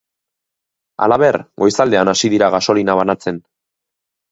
Halaber, goizaldean hasi dira gasolina banatzen.